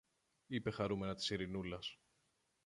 είπε χαρούμενα της Ειρηνούλας